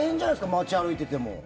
街歩いてても。